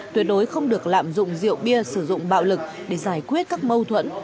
tuyệt đối không được lạm dụng rượu bia sử dụng bạo lực để giải quyết các mâu thuẫn